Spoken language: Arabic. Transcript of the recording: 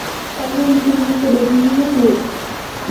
أين يمكننى تبادل النقود ؟